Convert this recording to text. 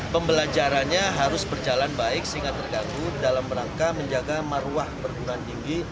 pembelajarannya harus berjalan baik sehingga terganggu dalam rangka menjaga maruah perguruan tinggi